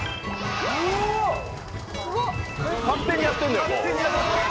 勝手にやってんねや。